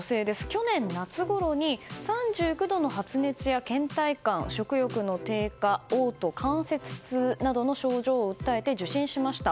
去年夏ごろに３９度の発熱や倦怠感食欲の低下、嘔吐、関節痛などの症状を訴えて受診しました。